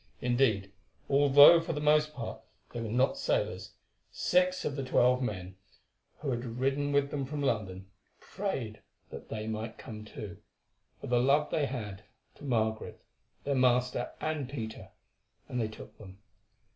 Indeed, although for the most part they were not sailors, six of the twelve men who had ridden with them from London prayed that they might come too, for the love they had to Margaret, their master, and Peter; and they took them.